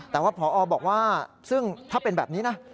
แต่ว่าพอบอกว่าซึ่งถ้าเป็นแบบนี้นะ